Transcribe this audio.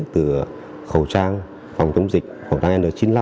từ khẩu trang phòng chống dịch khẩu trang n chín mươi năm